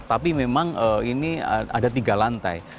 tapi memang ini ada tiga lantai